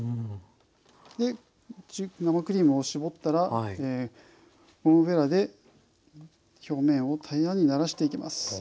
生クリームを絞ったらゴムべらで表面を平らにならしていきます。